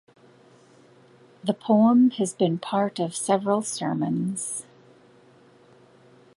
The poem has been part of several sermons.